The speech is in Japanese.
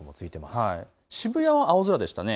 渋谷は青空でしたね。